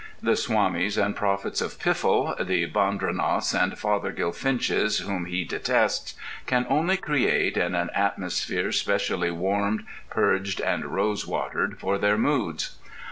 The swamis and prophets of piffle, the Bhandranaths and Fothergill Finches whom he detests, can only create in an atmosphere specially warmed, purged and rose watered for their moods.